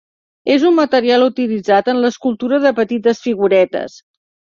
És un material utilitzat en l'escultura de petites figuretes.